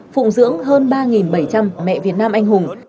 phụng dưỡng hơn ba bảy trăm linh mẹ việt nam anh hùng